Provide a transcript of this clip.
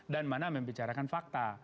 dan mana membicarakan fakta